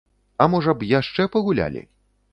А можа б, яшчэ пагулялі?